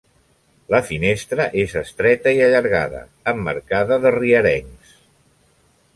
La finestra és estreta i allargada, emmarcada de rierencs.